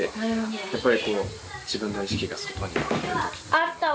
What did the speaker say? ・あったわ！